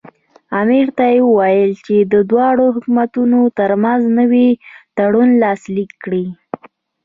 امیر ته ووایي چې د دواړو حکومتونو ترمنځ نوی تړون لاسلیک کړي.